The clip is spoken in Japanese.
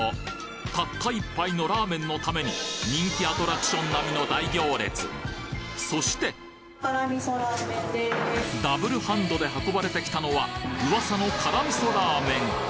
たった１杯のラーメンのために人気アトラクション並みの大行列そしてＷハンドで運ばれてきたのは噂のからみそラーメン